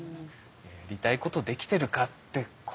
やりたいことできてるかってこう。